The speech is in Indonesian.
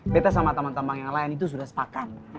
beta sama teman teman yang lain itu sudah sepakat